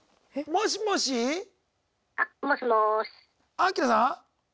アキラさん？